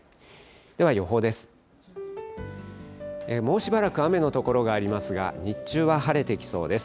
では予報です。